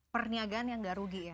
perniagaan yang nggak rugi ya